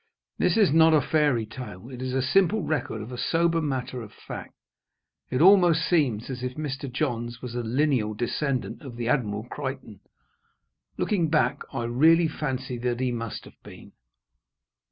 This is not a fairy tale. It is a simple record of a sober matter of fact. It almost seems as if Mr. Johns was a lineal descendant of the Admirable Crichton. Looking back, I really fancy that he must have been.